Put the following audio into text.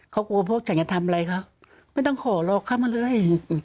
เขากลัวพวกฉันจะทำอะไรคะไม่ต้องขอหรอกเข้ามาเลย